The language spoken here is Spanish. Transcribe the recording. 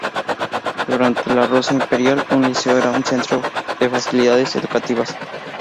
Durante la Rusia Imperial, un liceo era un centro de facilidades educativas.